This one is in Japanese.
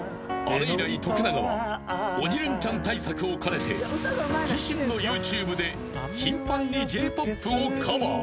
あれ以来徳永は『鬼レンチャン』対策を兼ねて自身のＹｏｕＴｕｂｅで頻繁にＪ−ＰＯＰをカバー］